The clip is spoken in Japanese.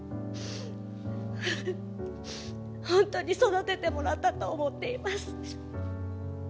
本当に育ててもらったと思っています。